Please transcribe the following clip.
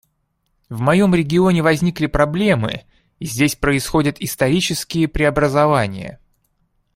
В моем регионе возникли проблемы, и здесь происходят исторические преобразования.